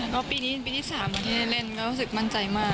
ก็ปีนี้ปีที่๓วันที่ได้เล่นก็รู้สึกมั่นใจมาก